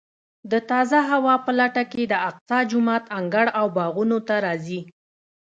د تازه هوا په لټه کې د اقصی جومات انګړ او باغونو ته راځي.